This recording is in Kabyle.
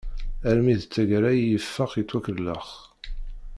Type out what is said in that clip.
Almi d taggara i ifaq yettwakellex.